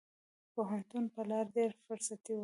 پوهنتون په لار ډېره فرصتي وه.